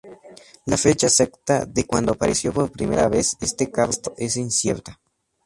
La fecha exacta de cuando apareció por primera vez este cargo es incierta.